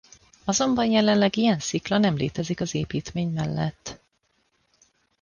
Azonban jelenleg ilyen szikla nem létezik az építmény mellett.